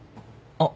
あっ。